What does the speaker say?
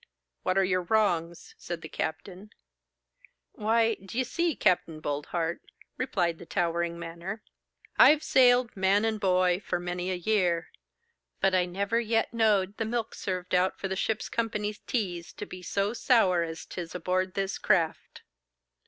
'What are your wrongs?' said the captain. 'Why, d'ye see, Capt. Boldheart,' replied the towering manner, 'I've sailed, man and boy, for many a year, but I never yet know'd the milk served out for the ship's company's teas to be so sour as 'tis aboard this craft.